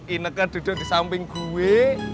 ineknya duduk di samping gue